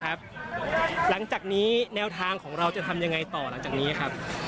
หลังจากนี้แนวทางของเราจะทำยังไงต่อหลังจากนี้ครับ